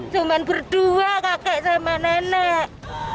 cuma berdua kakek sama nenek